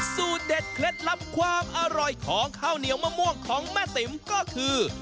สูตรเด็ดเคล็ดลับความอร่อยของข้าวเหนียวมะม่วงของแม่ติ๋มก็คือ